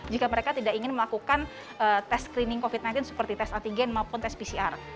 jika mereka tidak ingin melakukan tes screening covid sembilan belas seperti tes antigen maupun tes pcr